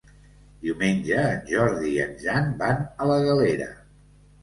Diumenge en Jordi i en Jan van a la Galera.